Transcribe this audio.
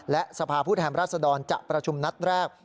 และสภาพผู้แทนราชดรจะประชุมนัดแรก